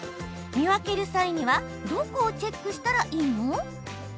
見分ける際にはどこをチェックしたらいいの？